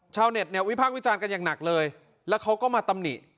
ชาวเน็ตเนี่ยวิพากษ์วิจารณ์กันอย่างหนักเลยแล้วเขาก็มาตำหนิ